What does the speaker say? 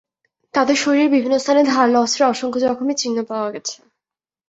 তাঁদের শরীরে বিভিন্ন স্থানে ধারালো অস্ত্রের অসংখ্য জখমের চিহ্ন পাওয়া গেছে।